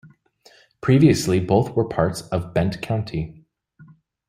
Previously both were parts of Bent County.